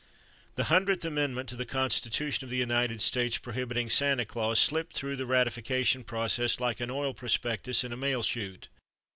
The Hundredth Amendment to the Constitution of the United States, prohibiting Santa Claus, slipped through the ratification process like an oil prospectus in a mail chute.